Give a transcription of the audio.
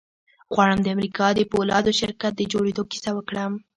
غواړم د امريکا د پولادو شرکت د جوړېدو کيسه وکړم.